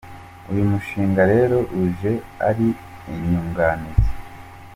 Uyu mushinga rero uje ari inyunganizi.